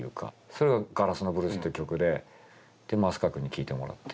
それが「ガラスのブルース」っていう曲で増川くんに聴いてもらって。